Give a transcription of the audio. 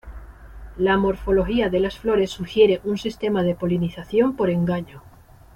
La morfología de las flores sugiere un sistema de polinización por engaño.